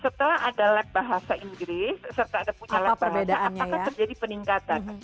setelah ada lab bahasa inggris serta ada punya lab bahasa apakah terjadi peningkatan